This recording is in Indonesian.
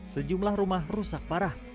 sejumlah rumah rusak parah